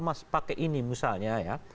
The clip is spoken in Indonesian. mas pakai ini misalnya